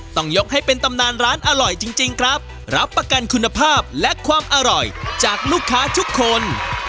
ต้องยกให้เป็นตำนานร้านอร่อยจริงครับรับประกันคุณภาพและความอร่อยจากลูกค้าทุกคน